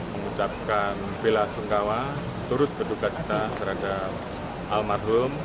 mengucapkan bila sungkawa turut berduka cinta terhadap almarhum